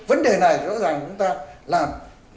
vấn đề này rõ ràng chúng ta làm